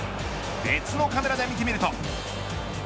別のカメラで見てみると。